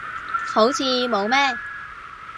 好似冇咩